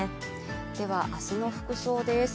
では、明日の服装です。